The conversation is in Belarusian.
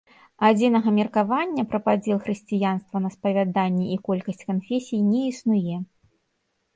Адзінага меркавання пра падзел хрысціянства на спавяданні і колькасць канфесій не існуе.